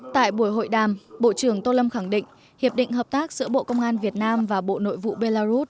tại buổi hội đàm bộ trưởng tô lâm khẳng định hiệp định hợp tác giữa bộ công an việt nam và bộ nội vụ belarus